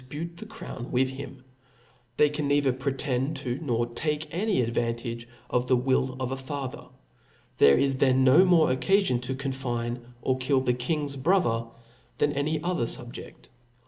. 89 /iilpute the crown with him. They can neither pre Book tend to, nor take any advantage of the will of a fa q^^J ther. There is then no more occafion to confine or , kill the king's brother, than any other fubjedk.